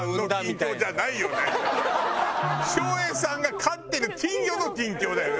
照英さんが飼ってる金魚の近況だよね？